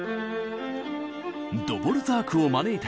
ドボルザークを招いた国。